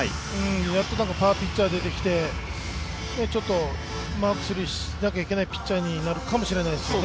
やっとパワーピッチャー出てきて、ちょっとマークしなきゃいけないピッチャーになるかもしれないですね。